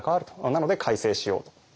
なので改正しようと。